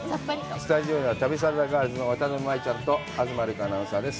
スタジオには旅サラダガールズの渡辺舞ちゃんと東留伽アナウンサーです。